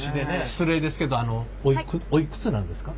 失礼ですけどあのおいくつなんですか？